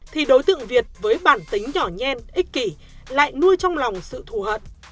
thì đối tượng việt với bản tính nhỏ nhen ích kỷ lại nuôi trong lòng sự thù hận